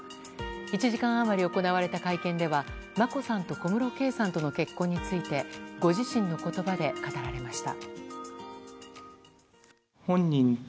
１時間余り行われた会見では眞子さんと小室圭さんの結婚についてご自身の言葉で語られました。